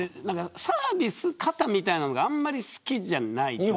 サービス過多みたいなのがあんまり好きじゃない。